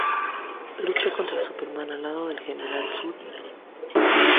Lucha contra Superman al lado del General Zod y Non.